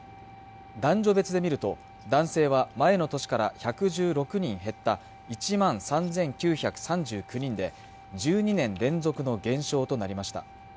男女別で見ると男性は前の年から１１６人減った１万３９３９人で１２年連続の減少となりました